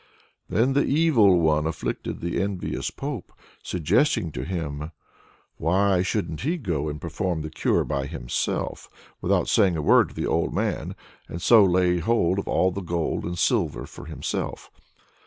Then the Evil One afflicted the envious Pope, suggesting to him "Why shouldn't he go and perform the cure by himself, without saying a word to the old man, and so lay hold of all the gold and silver for himself?"